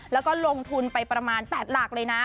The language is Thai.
แล้วก็ลงทุนไปประมาณ๘หลักเลยนะ